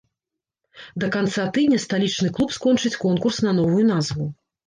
Да канца тыдня сталічны клуб скончыць конкурс на новую назву.